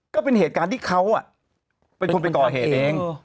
ก็เป็นเหตุการณ์ที่เขาเป็นคนไปก่อเหตุเอง